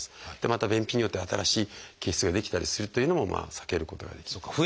また便秘によって新しい憩室が出来たりするというのも避けることができると思います。